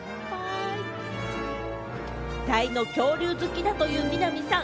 大の恐竜好きだという南さん。